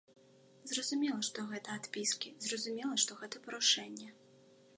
Зразумела, што гэта адпіскі, зразумела, што гэта парушэнне.